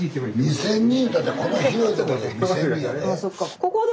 ２，０００人いうたってこの広いとこで２，０００人やで。